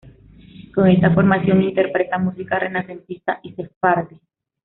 Con esta formación interpreta música renacentista y sefardí.